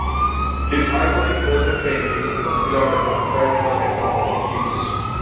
This iconic velvet painting is considered an archetypical example of kitsch.